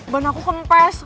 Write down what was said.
ban aku kempes